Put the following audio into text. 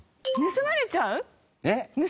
盗まれちゃうから。